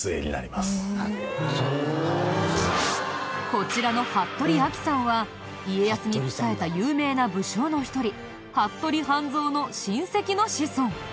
こちらの服部亜樹さんは家康に仕えた有名な武将の一人服部半蔵の親戚の子孫。